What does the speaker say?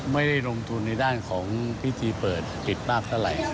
ไม่ได้ลงทุนในด้านของพิธีเปิดปิดมากเท่าไหร่